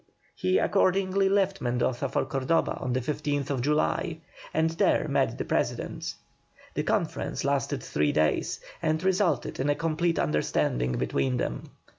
He accordingly left Mendoza for Cordoba on the 15th July, and there met the President. The conference lasted three days and resulted in a complete understanding between them.